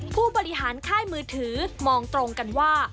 ผู้บริหารค่ายมือถือมองตรงกันว่า